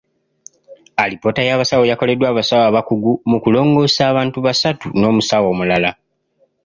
Alipoota y’abasawo yakoleddwa abasawo abakugu mu kulongoosa abantu basatu n'omusawo omulala.